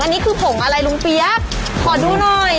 อันนี้คือผงอะไรลุงเปี๊ยกขอดูหน่อย